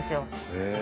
へえ。